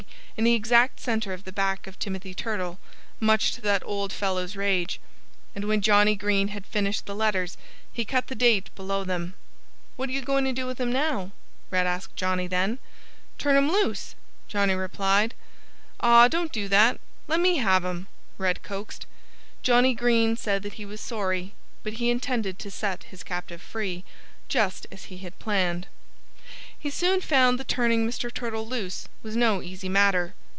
in the exact center of the back of Timothy Turtle, much to that old fellow's rage. And when Johnnie Green had finished the letters he cut the date below them. "What you goin' to do with him now?" Red asked Johnnie then. "Turn him loose!" Johnnie replied. "Aw don't do that! Lemme have him!" Red coaxed. Johnnie Green said that he was sorry but he intended to set his captive free, just as he had planned. He soon found that turning Mr. Turtle loose was no easy matter.